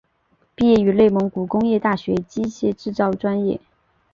毕业于内蒙古工业大学机械制造专业。